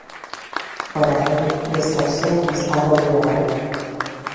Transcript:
Fóra del, dispersión e estado liberal.